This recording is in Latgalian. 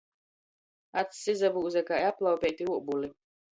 Acs izabūze kai aplaupeiti uobuli.